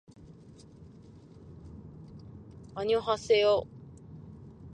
여러분안녕하세요